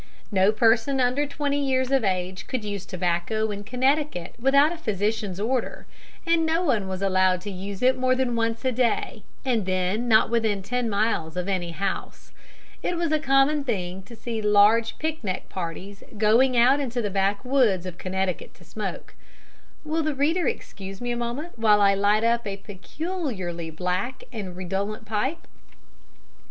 No person under twenty years of age could use tobacco in Connecticut without a physician's order, and no one was allowed to use it more than once a day, and then not within ten miles of any house. It was a common thing to see large picnic parties going out into the backwoods of Connecticut to smoke. (Will the reader excuse me a moment while I light up a peculiarly black and redolent pipe?)